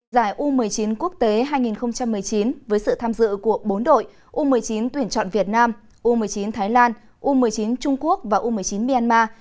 giải u một mươi chín quốc tế hai nghìn một mươi chín với sự tham dự của bốn đội u một mươi chín tuyển chọn việt nam u một mươi chín thái lan u một mươi chín trung quốc và u một mươi chín myanmar